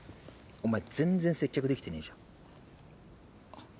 お前全然接客できてねえじゃん。